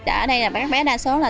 ở đây các bé đa số là